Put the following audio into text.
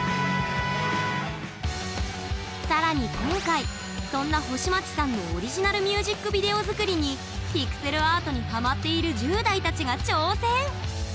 更に今回そんな星街さんのオリジナルミュージックビデオ作りにピクセルアートにハマっている１０代たちが挑戦！